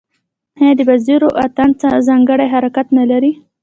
آیا د وزیرو اتن ځانګړی حرکت نلري؟